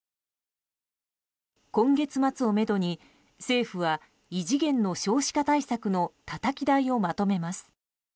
今月末をめどに政府は異次元の少子化対策のたたき台をまとめます。